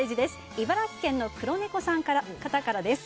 茨城県の方からです。